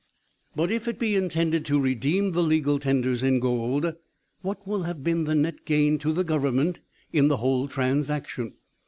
"But if it be intended to redeem the legal tenders in gold, what will have been the net gain to the Government in the whole transaction?